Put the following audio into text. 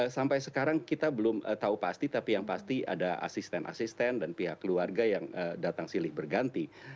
sampai sekarang kita belum tahu pasti tapi yang pasti ada asisten asisten dan pihak keluarga yang datang silih berganti